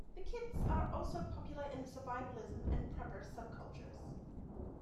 The kits are also popular in the survivalism and prepper subcultures.